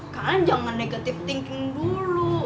kan jangan negative thinking dulu